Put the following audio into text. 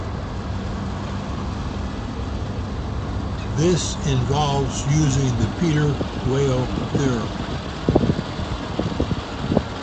This involves using the Peter-Weyl theorem.